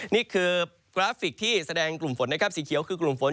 นี่คือกราฟิกที่แสดงกลุ่มฝนนะครับสีเขียวคือกลุ่มฝน